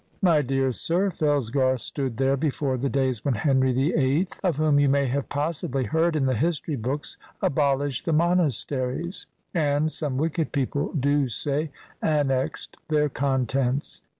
My dear sir, Fellsgarth stood there before the days when Henry the Eighth, (of whom you may have possibly heard in the history books) abolished the monasteries and, some wicked people do say, annexed their contents.